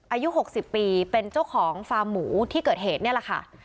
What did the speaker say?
อายุ๖๐ปีเป็นเจ้าของฟาร์มหมูที่เกิดเหตุนี่แหละค่ะ